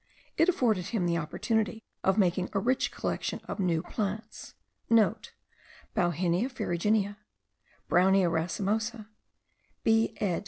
It afforded him the opportunity of making a rich collection of new plants.* (* Bauhinia ferruginea, Brownea racemosa, B ed.